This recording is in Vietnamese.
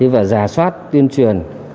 và giả soát tuyên truyền